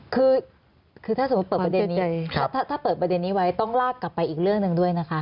คือถ้าสมมุติเปิดประเด็นนี้ไว้ต้องลากกลับไปอีกเรื่องหนึ่งด้วยนะคะ